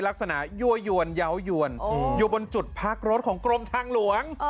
แบบนี้ลักษณะยั่วยวนเยาว์ยวนอยู่บนจุดพักรถของกรมทางหลวง